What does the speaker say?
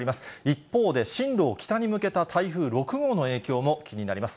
一方で、進路を北に向けた台風６号の影響も気になります。